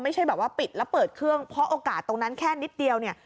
ไม่ใช่แบบว่าปิดแล้วเปิดเครื่องเพราะโอกาสตรงนั้นแค่นิดเดียวเนี่ย